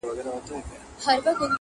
چي اسمان پر تندي څه درته لیکلي!